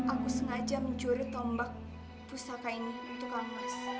aku sengaja mencuri tombak pusaka ini untuk kang mas